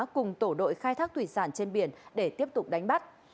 cùng tổ đội khai thác thủy sản trên biển để tiếp tục đánh bắt